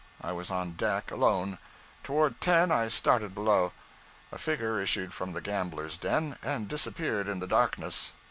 I was on deck, alone. Toward ten I started below. A figure issued from the gamblers' den, and disappeared in the darkness.